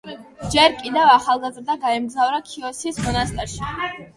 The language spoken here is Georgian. ჯერ კიდევ ახალგაზრდა გაემგზავრა ქიოსის მონასტერში.